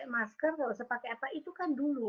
masker nggak usah pakai apa itu kan dulu